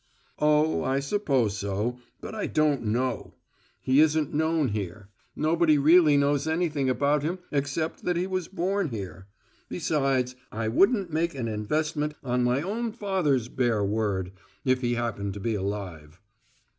"Oh, I suppose so, but I don't know. He isn't known here: nobody really knows anything about him except that he was born here. Besides, I wouldn't make an investment on my own father's bare word, if he happened to be alive."